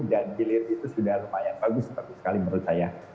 dan bilir itu sudah lumayan bagus sekali menurut saya